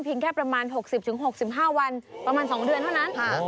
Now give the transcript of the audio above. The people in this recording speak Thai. แค่ประมาณ๖๐๖๕วันประมาณ๒เดือนเท่านั้น